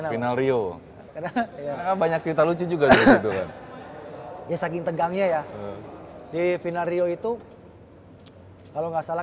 final rio banyak cerita lucu juga dia saking tegangnya ya divinal rio itu kalau enggak salah